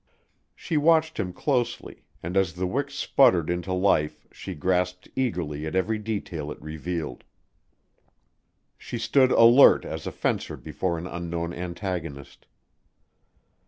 She watched him closely, and as the wick sputtered into life she grasped eagerly at every detail it revealed. She stood alert as a fencer before an unknown antagonist.